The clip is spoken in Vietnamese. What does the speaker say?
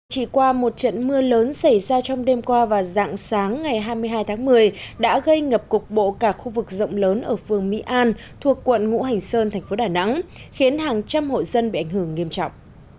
chỉ qua một trận mưa lớn xảy ra trong đêm qua và dạng sáng ngày hai mươi hai tháng một mươi đã gây ngập cục bộ cả khu vực rộng lớn ở phường mỹ an thuộc quận ngũ hành sơn thành phố đà nẵng khiến hàng trăm hội dân bị ảnh hưởng nghiêm trọng